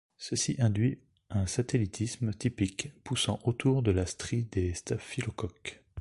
Ceci induit un satellitisme typique, ' poussant autour de la strie de staphylocoques.